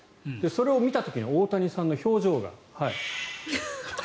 それを見た時の大谷さんの表情が。